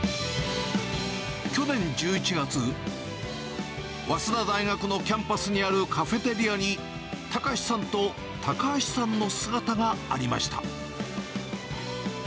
去年１１月、早稲田大学のキャンパスにあるカフェテリアに、高師さんと高橋さんの姿がありました。